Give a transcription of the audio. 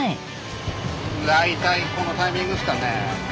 大体このタイミングっすかね。